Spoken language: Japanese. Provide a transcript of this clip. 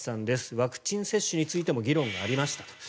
ワクチン接種についても議論がありましたと。